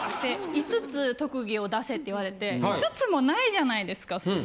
５つ特技を出せって言われて５つもないじゃないですか普通。